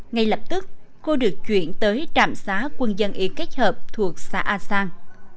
ngay lập tức cô được chuyển tới trạm xá quân dân y kết hợp thuộc xã a sang